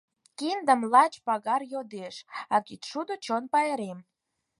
Киндым лач пагар йодеш, а кечшудо — чон пайрем.